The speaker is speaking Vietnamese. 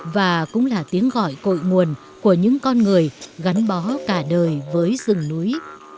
và cũng là tiếng gọi cội nguồn của những con người gắn bó cả đời với rừng núi